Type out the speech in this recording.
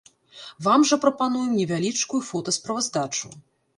Вам жа прапануем невялічкую фотасправаздачу.